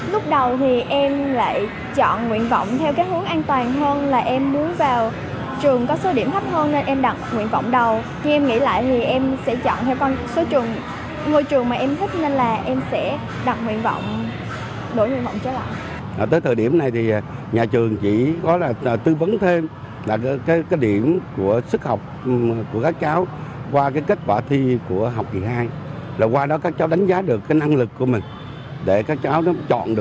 lúc đầu thì em lại chọn nguyện vọng theo cái hướng an toàn hơn là em đứng vào trường có số điểm thấp hơn